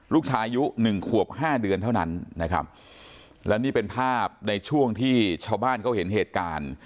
ลูกชายุ๑ขวบ๕เดือนเท่านั้นและนี่เป็นภาพในช่วงที่ชาวบ้านเห็นเหตุการณ์